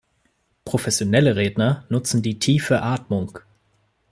Professionelle Redner nutzen die Tiefe Atmung.